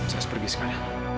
saya pergi sekarang